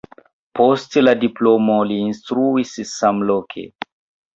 Post la diplomo li instruis samloke.